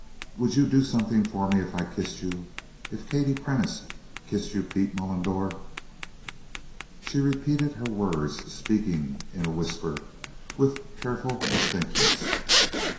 "Would you do something for me if I kissed you if Katie Prentice kissed you, Pete Mullendore?" She repeated her words, speaking in a whisper, with careful distinctness.